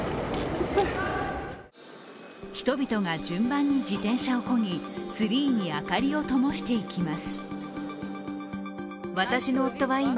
人々が順番に自転車をこぎツリーに明かりをともしていきます。